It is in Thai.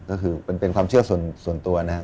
ก็คือเป็นความเชื่อส่วนตัวนะครับ